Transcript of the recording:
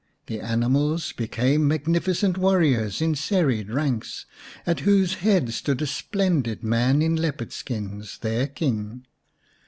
The animals became magnificent warriors in serried ranks, at whose head stood a splendid man in leopard skins, their King.